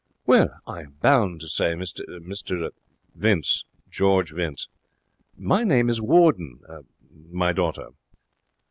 'Well, I am bound to say, Mr ?' 'Vince George Vince.' 'My name is Warden. My daughter.'